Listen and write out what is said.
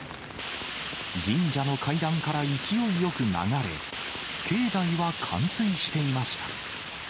神社の階段から勢いよく流れ、境内は冠水していました。